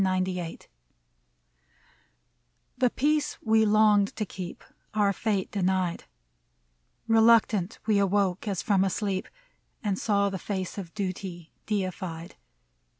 '' I ^HE peace we longed to keep Our fate denied ; Reluctant we awoke, as from a sleep, And saw the face of Duty deified.